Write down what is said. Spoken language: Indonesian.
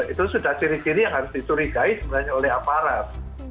itu sudah ciri ciri yang harus dicurigai sebenarnya oleh aparat